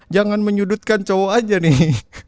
jangan menyudutkan cowok aja nih